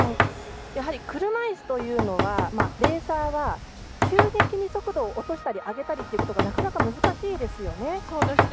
車いすというのはレーサーは急激に速度を落としたり上げたりということがなかなか難しいですよね。